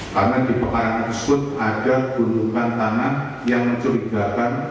karena di pekarangan kesud ada gunungan tanah yang mencurigakan